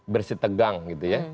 bersitegang gitu ya